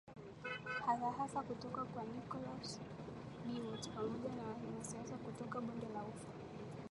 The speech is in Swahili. hasa hasa kutoka kwa Nicholas Biwott pamoja na wanasiasa kutoka Bonde la Ufa